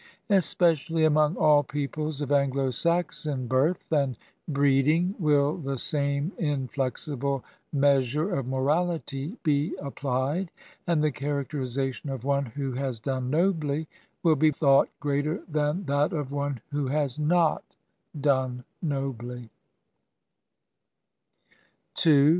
Especially among all peoples of Anglo Saxon birth and breeding will the same inflexible meas ure of morality be applied, and the characterization of one who has done nobly will he thought greater than that of one who has not done nobly.